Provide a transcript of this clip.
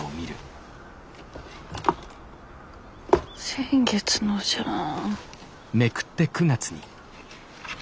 先月のじゃん。